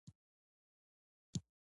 د انساني روابطو علم هره ورځ زده کیدلای سي.